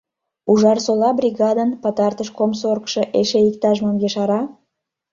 «Ужарсола» бригадын пытартыш комсоргшо эше иктаж-мом ешара?